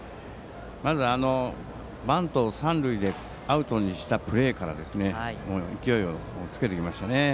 まず、バントを三塁でアウトにしたプレーから勢いをつけてきましたね。